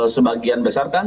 sebagian besar kan